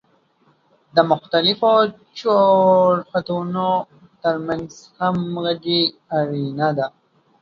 د مختلفو جوړښتونو ترمنځ همغږي اړینه ده.